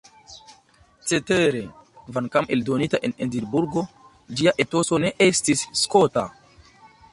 Cetere, kvankam eldonita en Edinburgo, ĝia etoso ne estis skota.